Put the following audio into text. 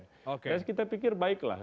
terus kita pikir baiklah